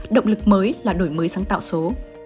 động lực mới là đổi mới sáng tạo số